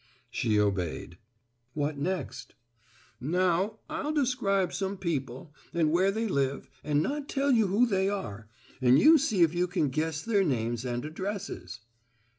She obeyed. "What next?" "Now, I'll describe some people and where they live and not tell who they are, and you see if you can guess their names and addresses."